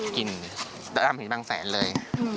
ก็ตามขึ้นบางแสนเลย